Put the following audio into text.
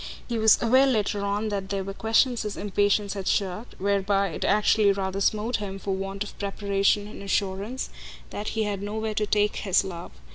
He was aware later on that there were questions his impatience had shirked; whereby it actually rather smote him, for want of preparation and assurance, that he had nowhere to "take" his love.